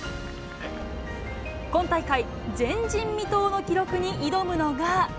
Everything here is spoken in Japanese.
今大会、前人未到の記録に挑むのが。